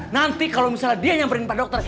nanti kalau misalnya dia nyamperin pak dokter